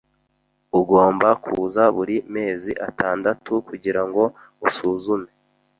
Ugomba kuza buri mezi atandatu kugirango usuzume.